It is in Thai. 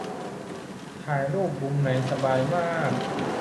ถ่ายรูปมุมไหนสบายมาก